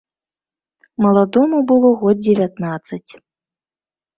Маладому было год дзевятнаццаць.